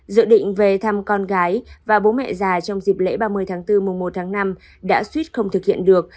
dự định về thăm con gái và bố mẹ già trong dịp lễ ba mươi tháng bốn mùa một tháng năm đã suýt không thực hiện được